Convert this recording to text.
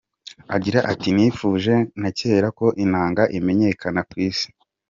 Agira ati “Nifuje na kera ko inanga imenyekana ku isi.